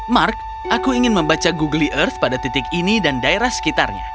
mark aku ingin membaca google earth pada titik ini dan daerah sekitarnya